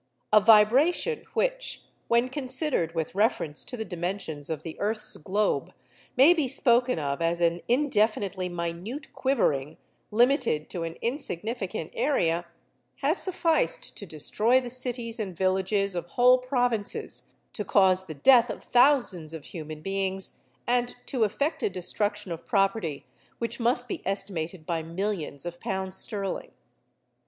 A vibration which, when considered with reference to the dimensions of the earth's globe, may be spoken of as an indefinitely minute quivering limited to an insignificant area, has sufficed to destroy the cities and villages of whole provinces, to cause the death of thousands of human beings, and to effect a destruction of property which must be estimated by millions of pounds sterling.